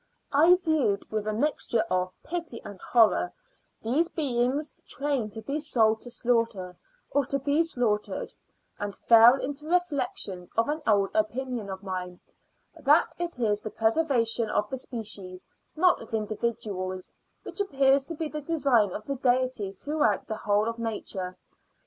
I viewed, with a mixture of pity and horror, these beings training to be sold to slaughter, or be slaughtered, and fell into reflections on an old opinion of mine, that it is the preservation of the species, not of individuals, which appears to be the design of the Deity throughout the whole of Nature.